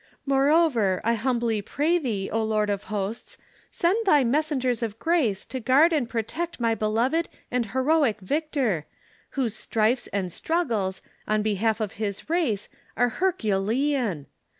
Moreover, I humbly pray Thee, O Lord of Hosts, send Thy messengers of grace to guard and protect my beloved and heroic Victor, whose strifes and struggles, on behalf of his race, are herculean